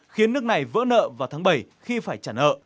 khiến nước này vỡ nợ vào tháng bảy khi phải trả nợ